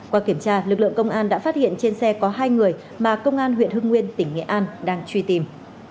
qua kiểm tra lực lượng công an đã phát hiện trên xe có hai người mà công an huyện hưng nguyên tỉnh nghệ an đang truy tìm